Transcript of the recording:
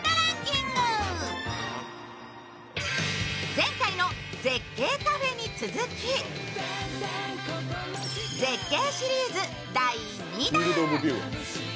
前回の絶景カフェに続き絶景シリーズ第２弾。